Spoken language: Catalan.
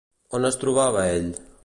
On es trobava ell?